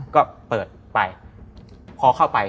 ก็เปิดไปเคาะเข้าไป